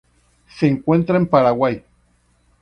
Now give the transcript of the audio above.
Se encuentra en Paraguay.